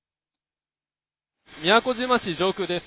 宮古島市上空です。